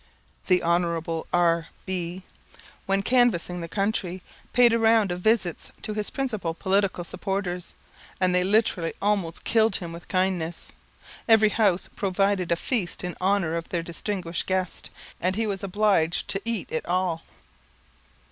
The Hon. R. B , when canvassing the county, paid a round of visits to his principal political supporters, and they literally almost killed him with kindness. Every house provided a feast in honour of their distinguished guest, and he was obliged to eat at all.